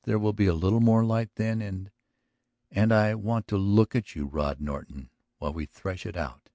There will be a little more light then and. ... And I want to look at you, Rod Norton, while we thresh it out."